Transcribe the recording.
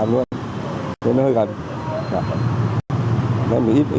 nên hơi gần